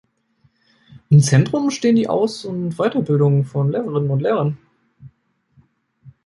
Im Zentrum steht die Aus- und Weiterbildung von Lehrerinnen und Lehrern.